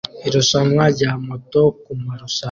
Irushanwa rya moto kumarushanwa